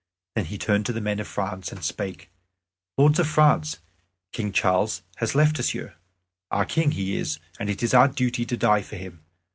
Then he turned to the men of France, and spake: "Lords of France, King Charles has left us here; our King he is, and it is our duty to die for him.